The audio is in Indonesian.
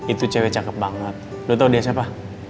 itu cewek cakep banget udah tau dia siapa